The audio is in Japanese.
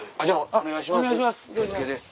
お願いします。